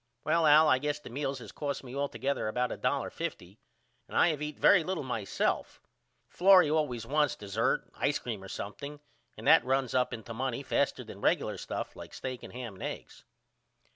Well Al I guess the meals has cost me all together about $1.50 and I have eat very little myself Florrie always wants desert ice cream or something and that runs up into money faster than regular stuff like stake and ham and eggs.